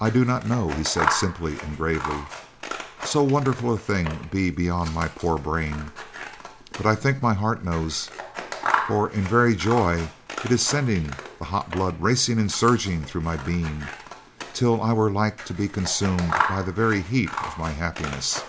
"I do not know," he said simply and gravely. "So wonderful a thing be beyond my poor brain; but I think my heart knows, for in very joy, it is sending the hot blood racing and surging through my being till I were like to be consumed for the very heat of my happiness."